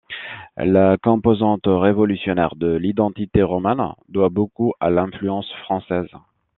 La composante révolutionnaire de l'identité roumaine doit beaucoup à l'influence française.